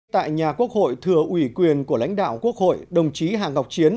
tại nhà quốc hội thừa ủy quyền của lãnh đạo quốc hội đồng chí hà ngọc chiến